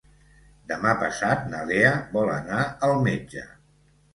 Demà passat na Lea vol anar al metge.